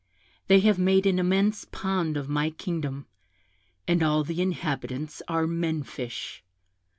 They have made an immense pond of my kingdom, and all the inhabitants are men fish.